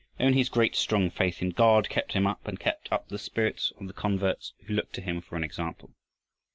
Only his great strong faith in God kept him up and kept up the spirits of the converts who looked to him for an example.